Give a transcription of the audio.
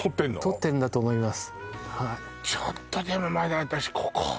取ってんだと思います